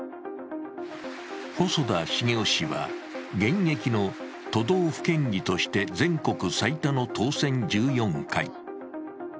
細田重雄氏は、現役の都道府県議として全国最多の当選１４回。